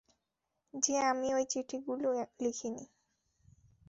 যে আমি ওই চিঠিগুলি লিখিনি।